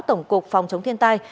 tổng cục phòng chống thiên tai